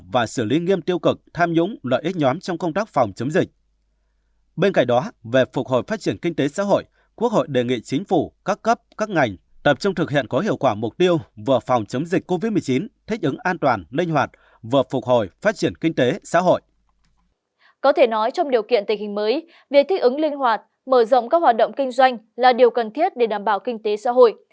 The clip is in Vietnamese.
về thích ứng linh hoạt mở rộng các hoạt động kinh doanh là điều cần thiết để đảm bảo kinh tế xã hội